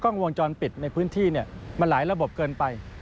กล้องวงจรปิดในพื้นที่มันหลายระบบเกินไป